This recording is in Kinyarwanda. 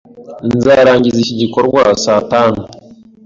Nzarangiza iki gikorwa saa tanu.